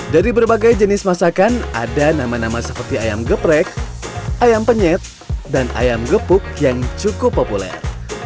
dari berbagai jenis masakan ada nama nama seperti ayam geprek ayam penyet dan ayam gepuk yang cukup populer